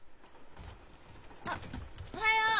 あっおはよう。